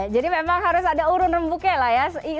jadi memang harus ada urun rembuknya lah ya